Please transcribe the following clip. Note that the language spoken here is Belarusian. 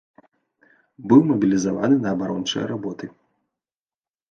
Быў мабілізаваны на абарончыя работы.